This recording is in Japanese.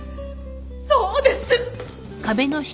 そうです！